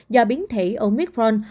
do biến thể omicron